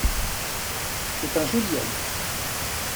C’est un joli homme.